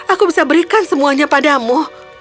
aku bisa berikan semuanya padamu